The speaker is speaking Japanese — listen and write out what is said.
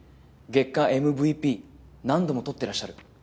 月間ＭＶＰ何度もとってらっしゃる。